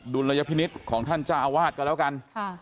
ดุลระยะพินิษฐ์ของท่านจ้าวาดก็แล้วกัน